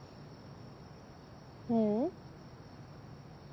ううん。